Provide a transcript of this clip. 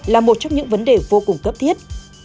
là một trong những vấn đề vô cùng cấp thiết